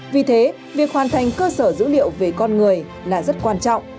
vì thế việc hoàn thành cơ sở dữ liệu về con người là rất quan trọng